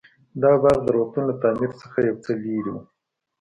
دا باغ د روغتون له تعمير څخه يو څه لرې و.